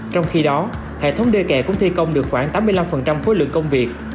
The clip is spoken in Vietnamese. trong khi đó hệ thống đê kè cũng thi công được khoảng tám mươi năm khối lượng công việc